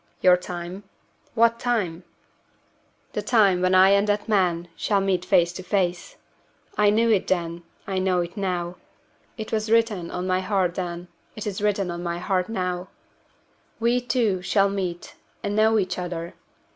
"Your time? What time?" "The time when I and that man shall meet face to face. I knew it then; I know it now it was written on my heart then, it is written on my heart now we two shall meet and know each other!